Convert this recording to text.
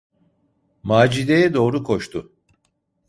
Macide’ye doğru koştu.